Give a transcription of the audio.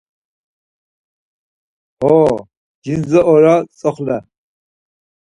Xo, gindze ora tzoxle.